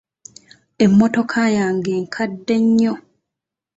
Emmotoka yange nkadde nnyo.